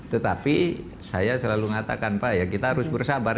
tetapi saya selalu mengatakan pak ya kita harus bersabar